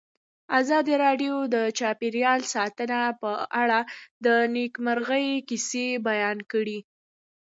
ازادي راډیو د چاپیریال ساتنه په اړه د نېکمرغۍ کیسې بیان کړې.